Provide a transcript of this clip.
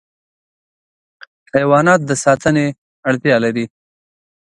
حیوانات د ساتنې اړتیا لري.